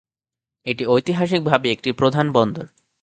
এটি ঐতিহাসিক ভাবে একটি প্রধান বন্দর।